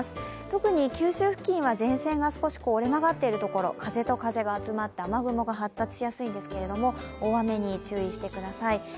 特に九州付近は前線が少し折れ曲がっている所風と風が集まって雨雲が発達しやすいんですけれども、大雨に注意してください。